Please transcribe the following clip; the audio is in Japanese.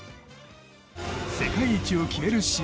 世界一を決める試合